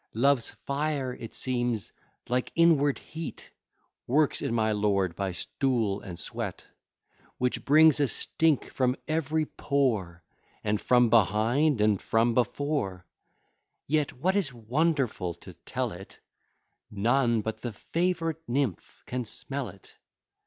Love's fire, it seems, like inward heat, Works in my lord by stool and sweat, Which brings a stink from every pore, And from behind and from before; Yet what is wonderful to tell it, None but the favourite nymph can smell it.